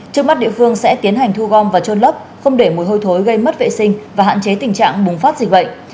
trước mắt địa phương sẽ tiến hành thu gom và trôn lấp không để mùi hôi thối gây mất vệ sinh và hạn chế tình trạng bùng phát dịch bệnh